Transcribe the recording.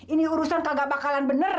ini urusan kagak bakalan bener